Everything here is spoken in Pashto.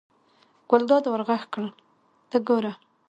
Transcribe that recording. ګلداد ور غږ کړل: ته ګوره.